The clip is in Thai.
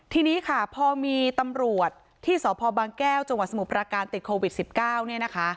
ทีนี้ค่ะพอมีตำรวจที่สพบางแก้วจังหวัดสมุทรปราการติดโควิด๑๙เนี่ยนะคะ